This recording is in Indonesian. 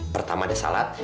pertama ada salad